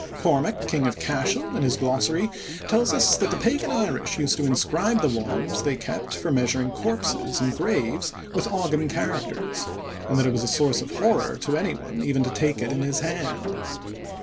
Cormac, king of Cashel, in his glossary tells us that the pagan Irish used to inscribe the wand they kept for measuring corpses and graves with Ogam characters, and that it was a source of horror to anyone even to take it in his hand.